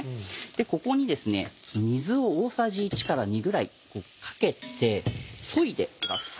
ここにですね水を大さじ１から２ぐらいかけてそいでください。